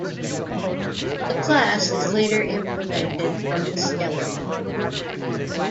The class is later implemented from the skeleton.